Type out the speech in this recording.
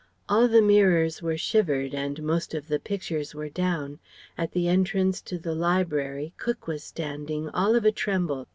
All the mirrors were shivered and most of the pictures were down. At the entrance to the library cook was standing, all of a tremble.